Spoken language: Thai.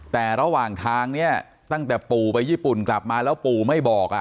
แต่ระหว่างทางเนี่ยตั้งแต่ปู่ไปญี่ปุ่นกลับมาแล้วปู่ไม่บอก